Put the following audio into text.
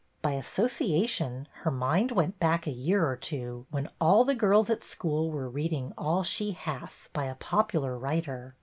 By association, her mind went back a year or two, when all the girls at school were reading All She Hath," by a popular writer.